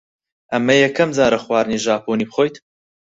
ئەمە یەکەم جارە خواردنی ژاپۆنی بخۆیت؟